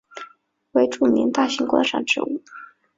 为著名大型观赏植物。